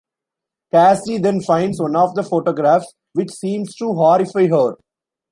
Cassie then finds one of the photographs, which seems to horrify her.